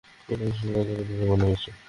Ramesses, তোমাকে রাজপ্রতিনিধি বানানো হয়েছে।